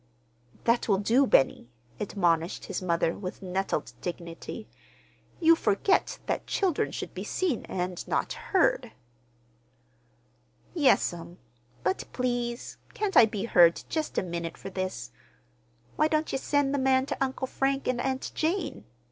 "That will do, Benny," admonished his mother, with nettled dignity. "You forget that children should be seen and not heard." "Yes'm. But, please, can't I be heard just a minute for this? Why don't ye send the man ter Uncle Frank an' Aunt Jane?